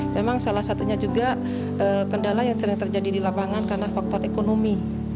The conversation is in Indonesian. memang salah satunya juga kendala yang sering terjadi di lapangan karena faktor ekonomi